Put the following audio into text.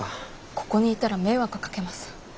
ここにいたら迷惑かけます。